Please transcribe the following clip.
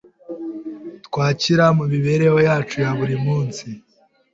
twakira mu mibereho yacu ya buri munsi